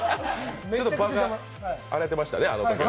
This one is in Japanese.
ちょっと場が荒れてましたね、あのときは。